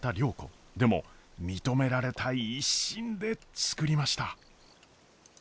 でも認められたい一心で作りました。